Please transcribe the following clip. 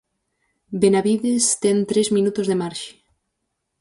Benavides ten tres minutos de marxe.